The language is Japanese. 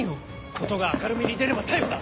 事が明るみに出れば逮捕だ。